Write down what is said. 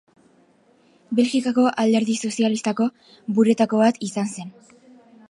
Belgikako Alderdi Sozialistako buruetako bat izan zen.